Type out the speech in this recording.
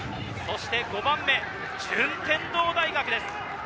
５番目、順天堂大学です。